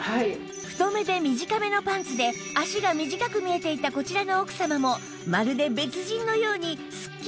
太めで短めのパンツで脚が短く見えていたこちらの奥様もまるで別人のようにスッキリ脚長に！